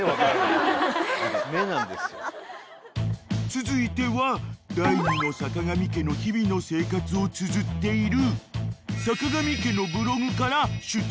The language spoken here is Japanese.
［続いては第２のさかがみ家の日々の生活をつづっているさかがみ家のブログから出題］